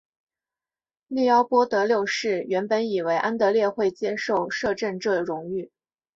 利奥波德六世原本以为安德烈会接受摄政这荣誉。